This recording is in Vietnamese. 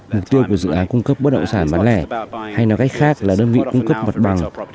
mục tiêu của dự án cung cấp bất động sản bán lẻ hay nói cách khác là đơn vị cung cấp mặt bằng